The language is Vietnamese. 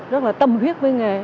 rất là tâm huyết với nghề